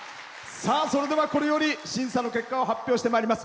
それでは、これより審査の結果を発表してまいります。